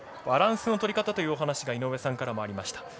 バランスの取り方というお話が井上さんからもありました。